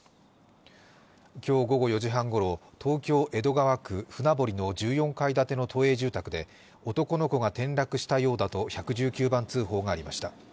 今日午後４時半ごろ、東京・江戸川区船堀の１４階建ての都営住宅で男の子が転落したようだと１１９番通報がありました。